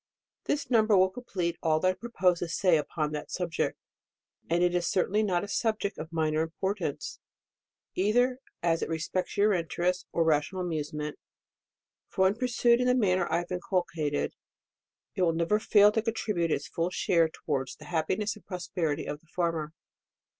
This i umber will complete all that I pur pose to say upon that subject, and it is cer* tainly not a subject of minor importance, ei ther as it respects your interest, or rational amusement ; for when pursued in the man* ner 1 have inculcated, it will never fail to contribute its full share towards the happiness and prosperity of the farmer.